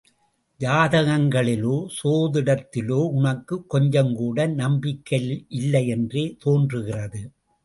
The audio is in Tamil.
ஜாதகங்களிலோ சோதிடத்திலோ உனக்குக் கொஞ்சம்கூட நம்பிக்கையில்லையென்றே தோன்றுகிறது.